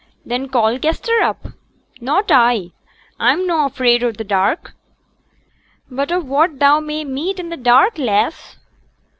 'Then call Kester up.' 'Not I. I'm noane afraid o' t' dark.' 'But of what thou mayst meet i' t' dark, lass?'